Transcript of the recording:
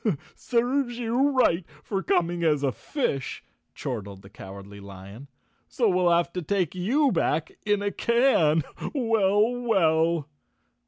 " Serves you right for coming as a fish," chortled the Cowardly Lion. So we'll have to take you back in a can. Well, well!"